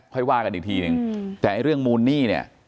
ค่อยว่ากันอีกทีนึงแต่ไอ้เรื่องมูลหนี้เนี่ย